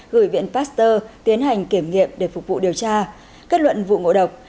gửi viện pasteur tiến hành kiểm nghiệm để phục vụ điều tra kết luận vụ ngộ độc